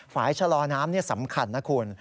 ฝายชะลอน้ำนี่สำคัญนะคุณ